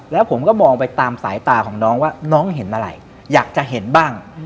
แล้วผมก็มองไปตามสายตาของน้องว่าน้องเห็นอะไรอยากจะเห็นบ้าง